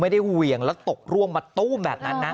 เหวี่ยงแล้วตกร่วงมาตู้มแบบนั้นนะ